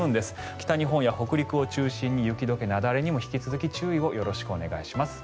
北日本や北陸を中心に雪解け雪崩にも引き続き注意をよろしくお願いします。